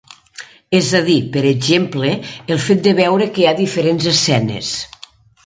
És a dir, per exemple el fet de veure que hi ha diferents escenes.